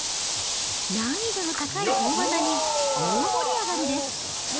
難易度の高い大技に大盛り上がりです。